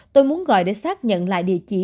tôi muốn gọi để xác nhận lại địa chỉ